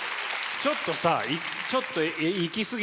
ちょっとさちょっといきすぎてるよ